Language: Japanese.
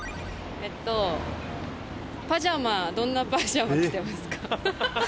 えっとパジャマどんなパジャマ着てますか？